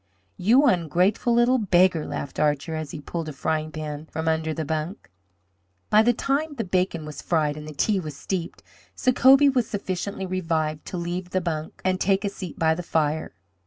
"You ungratefu' little beggar!" laughed Archer, as he pulled a frying pan from under the bunk. By the time the bacon was fried and the tea steeped, Sacobie was sufficiently revived to leave the bunk and take a seat by the fire.